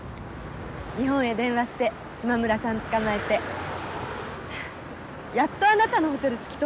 日本へ電話して島村さん捕まえてやっとあなたのホテル突き止めたのよ。